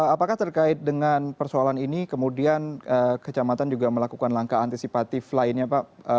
apakah terkait dengan persoalan ini kemudian kecamatan juga melakukan langkah antisipatif lainnya pak